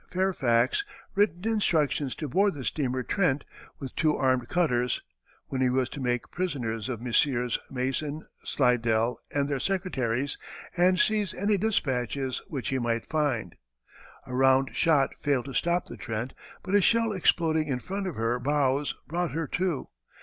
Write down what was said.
Fairfax, written instructions to board the steamer Trent, with two armed cutters, when he was to make prisoners of Messrs. Mason, Slidell, and their secretaries, and seize any despatches which he might find. A round shot failed to stop the Trent, but a shell exploding in front of her bows brought her to.